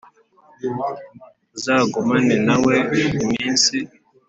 Uzagumane na we iminsi